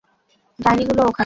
ডাইনি গুলো ওখানে।